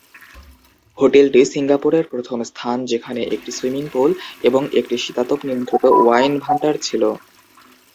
হোটেলটি সিঙ্গাপুরের প্রথম স্থান যেখানে একটি সুইমিং পুল এবং একটি শীতাতপ নিয়ন্ত্রিত ওয়াইন ভান্ডার ছিল।